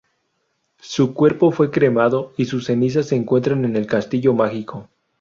Su cuerpo fue cremado, y sus cenizas se encuentran en el Castillo mágico.